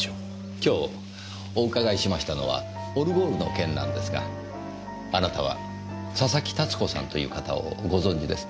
今日お伺いしましたのはオルゴールの件なんですがあなたは佐々木たつ子さんという方をご存じですね？